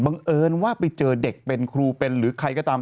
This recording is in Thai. เอิญว่าไปเจอเด็กเป็นครูเป็นหรือใครก็ตาม